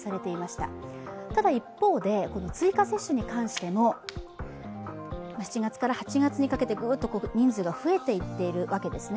ただ一方で、追加接種に関しても７月から８月にかけてグッと人数が増えていっているわけですね。